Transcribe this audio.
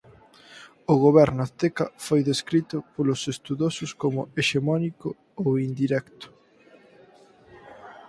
O goberno azteca foi descrito polos estudosos como "hexemónico" ou "indirecto".